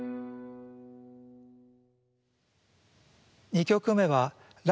２曲目は頼